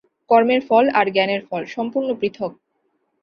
কর্মের ফল আর জ্ঞানের ফল সম্পূর্ণ পৃথক্।